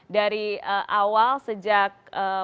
dari awal sejak